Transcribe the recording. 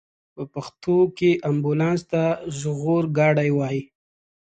په پښتو کې امبولانس ته ژغورګاډی وايي.